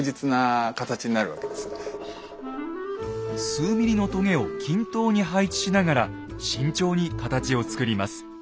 数ミリのとげを均等に配置しながら慎重に形を作ります。